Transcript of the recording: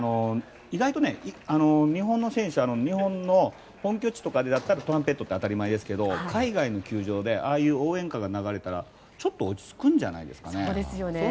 意外とね、日本の選手は日本の本拠地だったらトランペットは当たり前ですけど海外の球場でああいう応援歌が流れたらちょっと落ち着くんじゃないですかね。